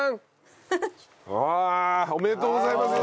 ああおめでとうございます！